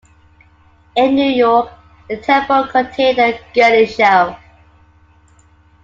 In New York, the Temple contained a girlie show.